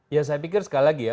ya saya pikir sekali lagi ya